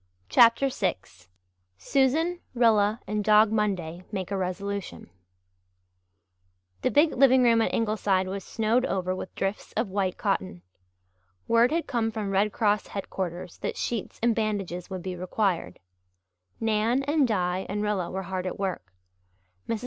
CHAPTER VI SUSAN, RILLA, AND DOG MONDAY MAKE A RESOLUTION The big living room at Ingleside was snowed over with drifts of white cotton. Word had come from Red Cross headquarters that sheets and bandages would be required. Nan and Di and Rilla were hard at work. Mrs.